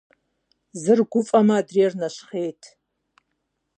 Зыр гуфӀэмэ - адрейр нэщхъейт.